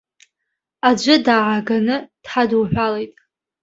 Аӡәы дааганы дҳадуҳәалеит.